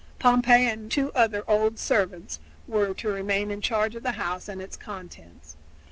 Pompey and two other old servants were to remain in charge of the house and its contents.